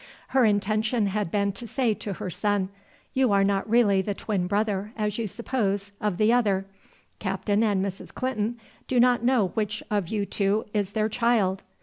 Her intention had been to say to her son, "You are not really the twin brother, as you suppose, of the other. Captain and Mrs. Clinton do not know which of you two is their child."